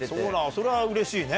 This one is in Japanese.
それはうれしいね。